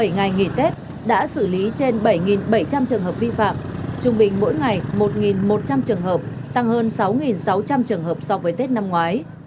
bảy ngày nghỉ tết đã xử lý trên bảy bảy trăm linh trường hợp vi phạm trung bình mỗi ngày một một trăm linh trường hợp tăng hơn sáu sáu trăm linh trường hợp so với tết năm ngoái